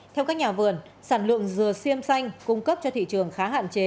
theo các nhà vườn sản lượng rửa siêm xanh cung cấp cho thị trường khá hạn chế